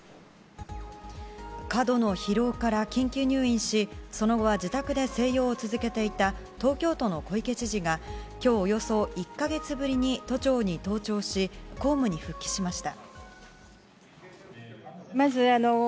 過度の疲労から緊急入院しその後は自宅で静養を続けていた東京都の小池知事が今日、およそ１か月ぶりに都庁に登庁し公務に復帰しました。